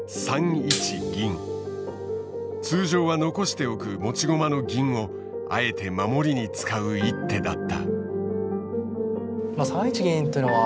通常は残しておく持ち駒の銀をあえて守りに使う一手だった。